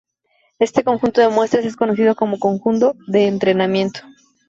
Este conjunto de muestras es conocido como conjunto de entrenamiento.